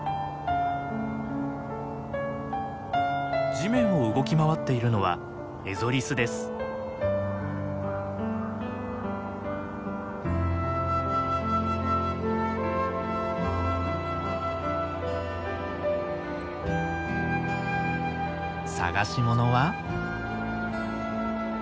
地面を動き回っているのは探し物は。